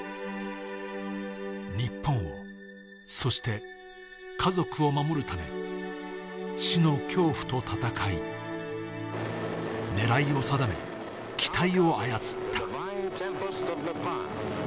日本を、そして家族を守るため、死の恐怖と闘い、狙いを定め、機体を操った。